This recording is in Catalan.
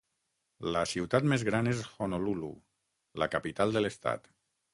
La ciutat més gran és Honolulu, la capital de l'estat.